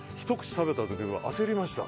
食べた時、焦りました。